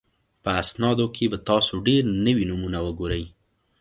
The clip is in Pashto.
په اسنادو کې به تاسو ډېر نوي نومونه وګورئ